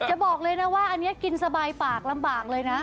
บอกเลยนะว่าอันนี้กินสบายปากลำบากเลยนะ